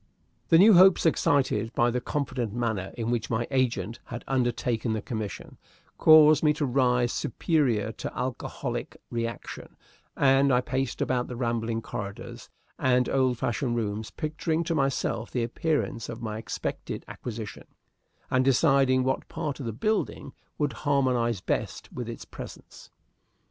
The new hopes excited by the confident manner in which my agent had undertaken the commission caused me to rise superior to alcoholic reaction, and I paced about the rambling corridors and old fashioned rooms picturing to myself the appearance of my expected acquisition, and deciding what part of the building would harmonize best with its presence.